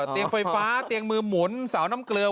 เตียงไฟฟ้าเตียงมือหมุนสาวน้ำเกลือ